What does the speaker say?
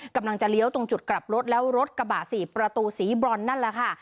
กำลังจะเลี้ยวตรงจุดกลับรถแล้วรถกระบะสี่ประตูสีบรอนนั่นแหละค่ะ